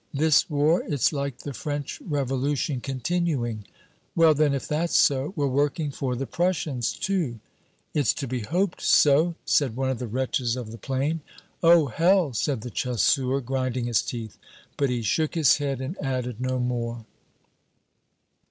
This war, it's like the French Revolution continuing." "Well then, if that's so, we're working for the Prussians too?" "It's to be hoped so," said one of the wretches of the plain. "Oh, hell!" said the chasseur, grinding his teeth. But he shook his head and added no more.